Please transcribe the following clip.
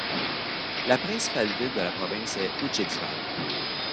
La principale ville de la province est Hudiksvall.